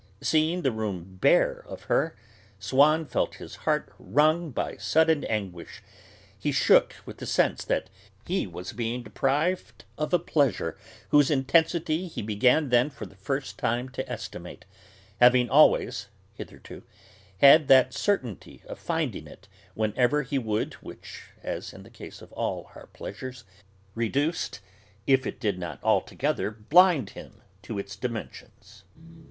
Seeing the room bare of her, Swann felt his heart wrung by sudden anguish; he shook with the sense that he was being deprived of a pleasure whose intensity he began then for the first time to estimate, having always, hitherto, had that certainty of finding it whenever he would, which (as in the case of all our pleasures) reduced, if it did not altogether blind him to its dimensions.